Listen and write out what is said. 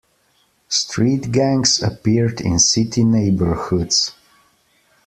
Street gangs appeared in city neighborhoods.